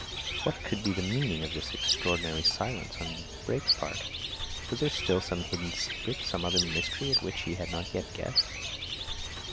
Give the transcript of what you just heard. What could be the meaning of this extraordinary silence on Brake's part? Was there still some hidden secret, some other mystery at which he had not yet guessed?